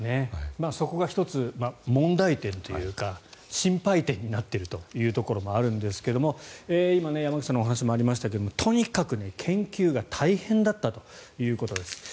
そこが１つ問題点というか心配点になっているというところもあるんですが今、山口さんのお話にもありましたがとにかく研究が大変だったということです。